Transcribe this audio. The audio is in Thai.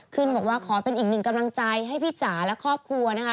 บอกว่าขอเป็นอีกหนึ่งกำลังใจให้พี่จ๋าและครอบครัวนะคะ